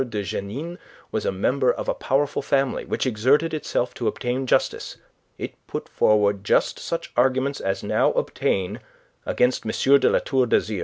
de Jeannine was a member of a powerful family, which exerted itself to obtain justice. It put forward just such arguments as now obtain against M. de La Tour d'Azyr.